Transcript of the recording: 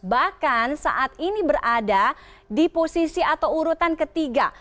bahkan saat ini berada di posisi atau urutan ketiga